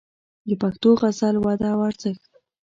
د پښتو غزل وده او ارزښت